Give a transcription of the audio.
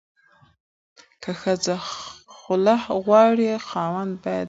که ښځه خلع غواړي، خاوند باید ومني.